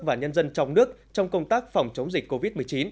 và nhân dân trong nước trong công tác phòng chống dịch covid một mươi chín